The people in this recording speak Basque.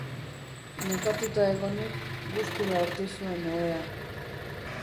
Nekatuta egonik, gustura hartu zuen ohea.